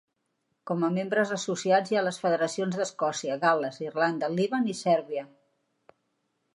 Com a membres associats hi ha les federacions d'Escòcia, Gal·les, Irlanda, Líban i Sèrbia.